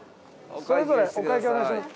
それぞれお会計お願いします。